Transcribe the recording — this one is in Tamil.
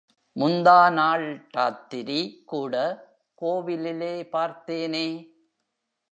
முந்தாநாள் ராத்திரி கூட கோவிலிலே பார்த்தேனே!.